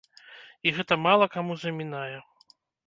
І гэта мала каму замінае.